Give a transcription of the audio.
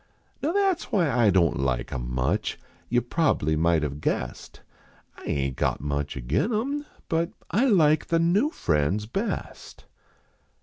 Now that s why I don t like em much. You prob bly might have guessed. I aint got much agin em. but I like the new friends best.